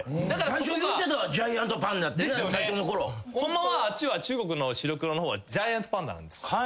最初言うてたわ「ジャイアントパンダ」って。ホンマはあっちは中国の白黒の方はジャイアントパンダなんです。